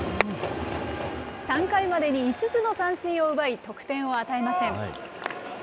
３回までに５つの三振を奪い、得点を与えません。